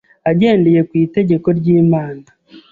agendeye ku itegeko ry’Imana